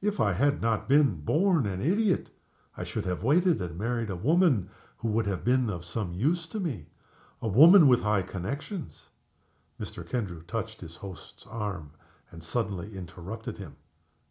If I had not been a born idiot I should have waited, and married a woman who would have been of some use to me; a woman with high connections " Mr. Kendrew touched his host's arm, and suddenly interrupted him.